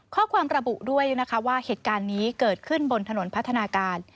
ข้อความระบุด้วยนะคะว่าเหตุการณ์นี้เกิดขึ้นบนถนนพัฒนาการ